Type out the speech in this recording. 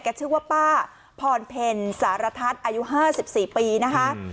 แกชื่อว่าป้าพรเพ็ญสารทัศน์อายุห้าสิบสี่ปีนะคะ